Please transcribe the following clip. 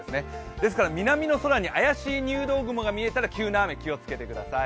ですから南の空に怪しい入道雲が見えたら急な雨、気をつけてください。